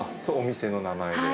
お店の名前で？